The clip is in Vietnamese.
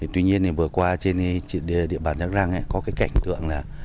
tuy nhiên vừa qua trên địa bàn đắk đơ răng có cái cảnh tượng là